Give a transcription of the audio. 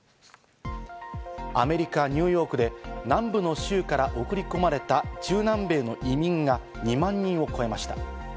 アメリカ・ニューヨークで南部の州から送り込まれた中南米の移民が２万人を超えました。